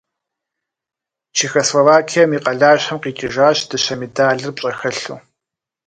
Чехословакием и къалащхьэм къикӀыжащ дыщэ медалыр пщӀэхэлъу.